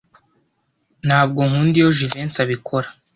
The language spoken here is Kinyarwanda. Ntabwo nkunda iyo Jivency abikora.